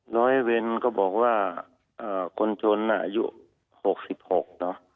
ร้อยเวรก็บอกว่าคนชนอายุ๖๖เนอะ